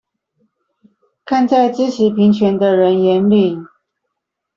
看在支持平權的人眼裡